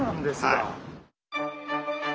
はい。